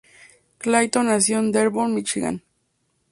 Clayton nació en Dearborn, Michigan.